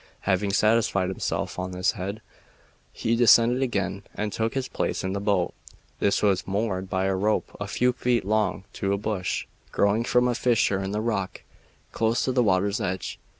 Having satisfied himself on this head, he descended again and took his place in the boat. This was moored by a rope a few feet long to a bush growing from a fissure in the rock close to the water's edge.